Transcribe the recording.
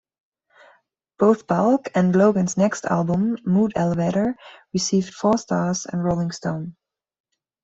Both Bulk and Logan's next album, "Mood Elevator", received four stars in "Rolling Stone".